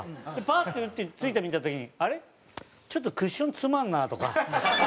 パッと打って撞いてみた時に「あれ？ちょっとクッション詰まるな」とか。